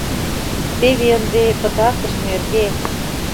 — Теве ынде пытартыш нерге.